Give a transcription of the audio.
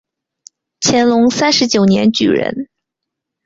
乾隆三十九年举人。